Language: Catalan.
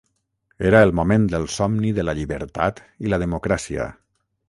Era el moment del somni de la llibertat i la democràcia.